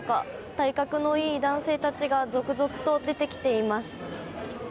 体格のいい男性たちが続々と出てきています。